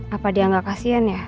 apa dia gak kasihan ya